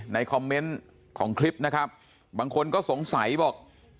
ในคอมเมนต์ของคลิปนะครับบางคนก็สงสัยบอก